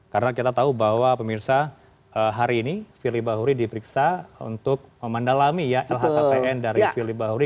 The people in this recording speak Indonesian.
karena kita tahu bahwa pemirsa hari ini fili bahuri diperiksa untuk mendalami ya lhkpn dari fili bahuri